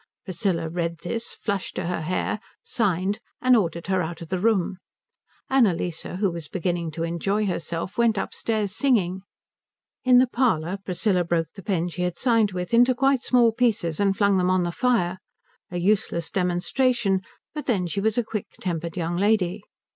Priscilla read this, flushed to her hair, signed, and ordered her out of the room. Annalise, who was beginning to enjoy herself, went upstairs singing. In the parlour Priscilla broke the pen she had signed with into quite small pieces and flung them on to the fire, a useless demonstration, but then she was a quick tempered young lady.